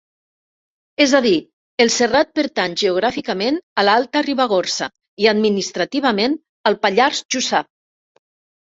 És a dir, el serrat pertany geogràficament a l'Alta Ribagorça i administrativament al Pallars Jussà.